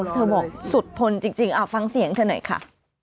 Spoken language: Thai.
เธอบอกสุดทนจริงฟังเสียงเธอหน่อยค่ะ